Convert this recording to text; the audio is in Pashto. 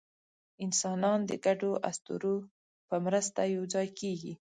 انسانان د ګډو اسطورو په مرسته یوځای کېږي.